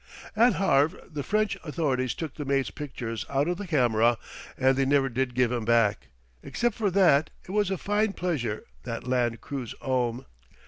"At Havre the French authorities took the mate's pictures out of the cameraw, and they never did give 'em back. Except for that, it was a fine pleasure, that land cruise 'ome.